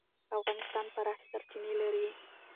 افغانستان پراخې سرچینې لري.